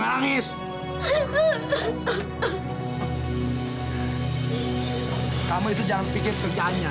pada saat ini saya tidak bisa menghadapi kemurahan yang banyak